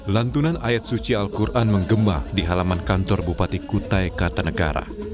lantunan ayat suci al quran menggema di halaman kantor bupati kutai kartanegara